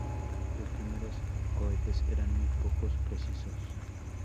Los primeros cohetes eran muy poco precisos.